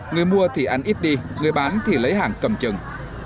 người mua thì ăn ít đi người bán thì lấy hàng cầm chừng